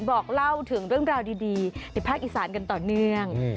บอกเล่าถึงเรื่องราวดีในภาคอีสานกันต่อเนื่อง